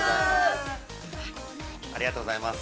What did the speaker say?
◆ありがとうございます。